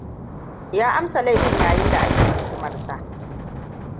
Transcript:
Ya amsa laifin yayin da ake tuhumarsa.